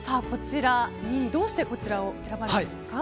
どうしてこちらを選ばれたんですか？